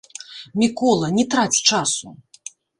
Мікола, не траць часу!